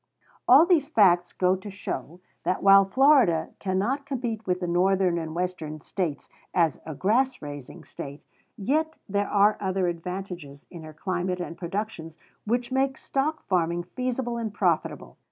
All these facts go to show, that, while Florida cannot compete with the Northern and Western States as a grass raising State, yet there are other advantages in her climate and productions which make stock farming feasible and profitable.